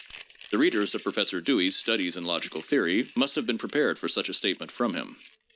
The readers of Professor Dewey's Studies in Logical Theory must have been prepared for such a statement from him.